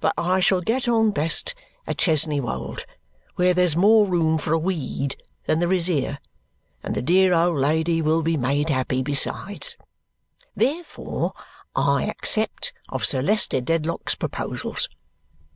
But I shall get on best at Chesney Wold, where there's more room for a weed than there is here; and the dear old lady will be made happy besides. Therefore I accept of Sir Leicester Dedlock's proposals.